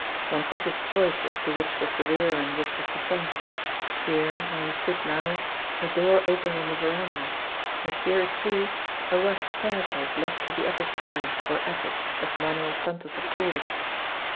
One took his choice as to which was the rear and which was the front. Here, where he stood now, a door opened on the verandah ; and here, too, a rough staircase led to the upper story, or attic, as Manued Santos had called it.